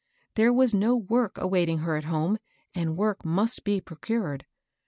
There was no work awaiting her at home, and work must be procured.